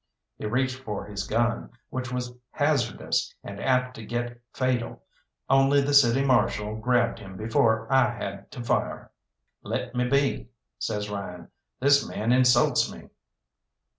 He reached for his gun, which was hazardous and apt to get fatal, only the City Marshal grabbed him before I had to fire. "Let me be," says Ryan; "this man insults me!"